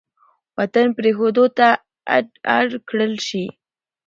وطـن پـرېښـودو تـه اړ کـړل شـي.